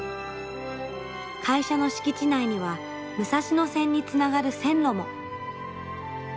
会社の敷地内には武蔵野線につながる線路も。